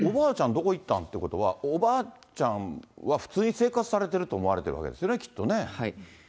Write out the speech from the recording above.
どこ行ったん？ってことは、おばあちゃんは普通に生活されてると思ってるわけですよね、きっはい。